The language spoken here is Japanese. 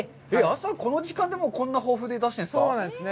朝、この時間でもこんな豊富で出してるんですか？